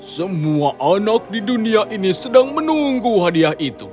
semua anak di dunia ini sedang menunggu hadiah itu